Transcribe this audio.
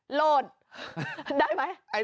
โหลดได้ไหม